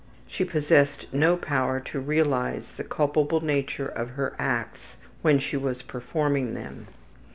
She possessed no power to realize the culpable nature of her acts when she was performing them.